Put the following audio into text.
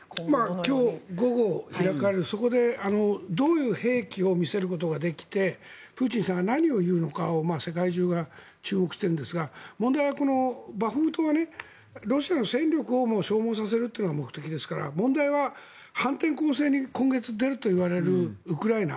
今日、午後に開かれるそこでどういう兵器を見せることができてプーチンさんが何を言うのかを世界中が注目してるんですが問題は、このバフムトはロシアの戦力を消耗させるのが目的ですから問題は反転攻勢に今月出るといわれるウクライナ。